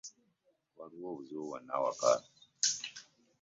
Waliwo obuzibu bwona e waka?